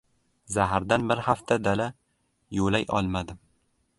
Zahardan bir hafta dala yo‘lay olmadim.